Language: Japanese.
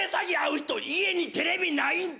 人家にテレビないんか！